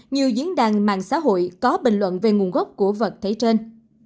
nhiều diễn đàn mạng xã hội có bình luận về nguồn gốc của vật thể trên